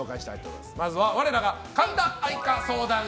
まずは我らが神田愛花相談員。